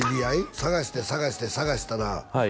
探して探して探したらはい